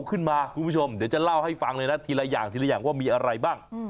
คุณผู้ชมเดี๋ยวจะเล่าให้ฟังเลยนะทีละอย่างทีละอย่างว่ามีอะไรบ้าง